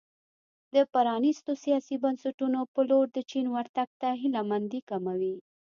د پرانیستو سیاسي بنسټونو په لور د چین ورتګ ته هیله مندي کموي.